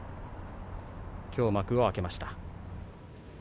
きょう幕を開けました。